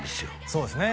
そうですね